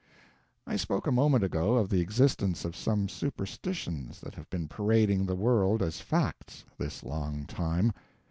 I spoke a moment ago of the existence of some superstitions that have been parading the world as facts this long time.